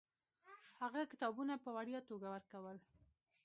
هغه کتابونه په وړیا توګه ورکول.